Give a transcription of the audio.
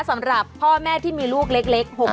สำหรับพ่อแม่ที่มีลูกเล็ก